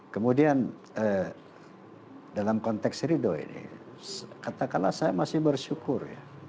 kemudian dalam konteks ridho ini katakanlah saya masih bersyukur ya